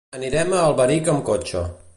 Anirem a Alberic amb cotxe.